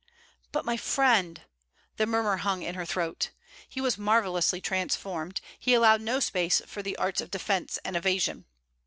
'But my friend!' the murmur hung in her throat. He was marvellously transformed; he allowed no space for the arts of defence and evasion.